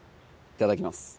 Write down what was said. いただきます。